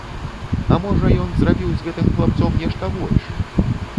А можа, ён зрабіў з гэтым хлапцом нешта больш!